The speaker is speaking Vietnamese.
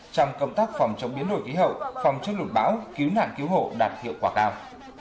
trong công tác phòng chống biến đổi khí hậu phòng chức lụt bão cứu nạn cứu hộ đạt hiệu quả cao